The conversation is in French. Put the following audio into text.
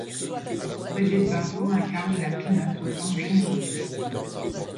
Brigitte Bardot incarne la pin-up aux formes généreuses.